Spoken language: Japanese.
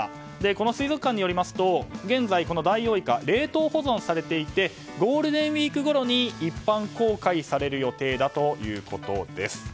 この水族館によりますと現在、ダイオウイカ冷凍保存されていましてゴールデンウィークごろに一般公開される予定だということです。